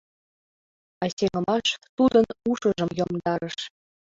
А сеҥымаш тудын ушыжым йомдарыш.